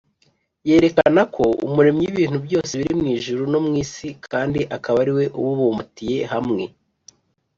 yerekana ko umuremyi w’ibintu byose biri mu ijuru no mu isi kandi akaba ari we ububumbatiye hamwe,